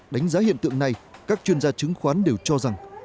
đánh giá hiện tượng này các chuyên gia chứng khoán đều cho rằng